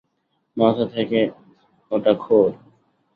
মাথা থেকে ওটা খোল।